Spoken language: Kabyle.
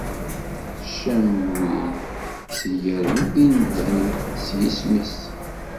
Camwil, si gar wid inedhen s yisem-is.